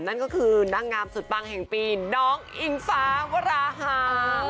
นั่นก็คือนางงามสุดปังแห่งปีน้องอิงฟ้าวราฮา